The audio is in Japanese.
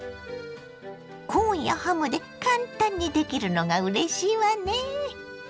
コーンやハムで簡単にできるのがうれしいわね。